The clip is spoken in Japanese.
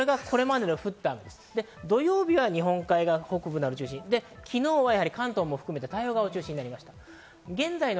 土曜日は日本海側が中心、昨日は関東も含めて太平洋側が中心となりました。